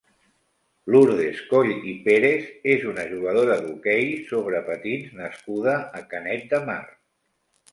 Lourdes Coll i Pérez és una jugadora d'hoquei sobre patins nascuda a Canet de Mar.